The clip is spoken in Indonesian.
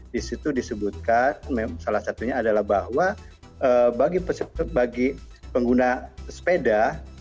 di situ disebutkan salah satunya adalah bahwa bagi pengguna sepeda